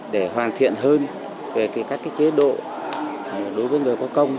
để hoàn thiện hơn về các chế độ đối với người có công